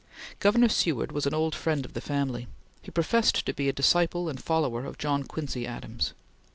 Governor Seward was an old friend of the family. He professed to be a disciple and follower of John Quincy Adams.